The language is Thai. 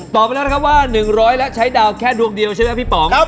ไปแล้วนะครับว่า๑๐๐และใช้ดาวแค่ดวงเดียวใช่ไหมครับพี่ป๋อง